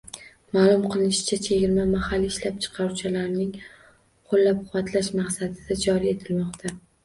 Ma’lum qilinishicha, chegirma mahalliy ishlab chiqaruvchilarning qo‘llab-quvvatlash maqsadida joriy etilmoqda